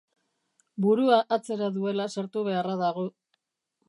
Burua atzera duela sartu beharra dago.